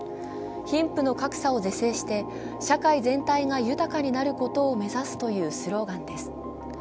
貧富の格差を是正して社会全体が豊かになることを目指すというスローガンです。